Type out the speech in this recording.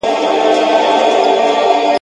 په سلګونو یې لرلې له کوترو `